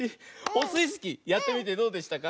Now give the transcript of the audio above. オスイスキーやってみてどうでしたか？